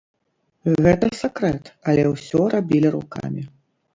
Гэта сакрэт, але ўсё рабілі рукамі.